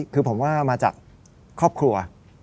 คือผมว่ามาจากครอบครัว